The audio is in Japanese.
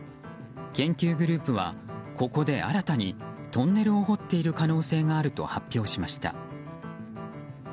研究グループは、ここで新たにトンネルを掘っている可能性があると発表しました。